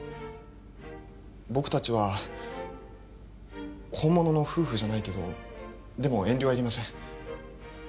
僕達は本物の夫婦じゃないけどでも遠慮はいりません